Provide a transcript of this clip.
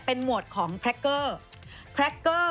เป็นหมวดของแพร็กเกอร์